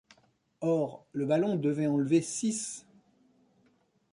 Or, le ballon devait enlever six…